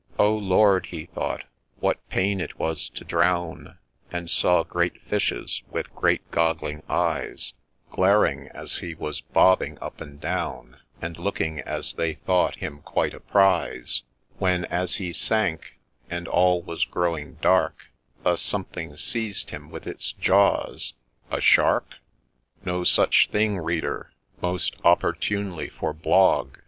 1 0 Lord,' he thought, ' what pain it was to drown 1 ' And saw great fishes with great goggling eyes, Glaring as he was bobbing up and down, And looking as they thought him quite a prize ; When, as he sank, and all was growing dark, A something seized him with its jaws !— A shark ?— No such thing, Reader :— most opportunely for Blogg.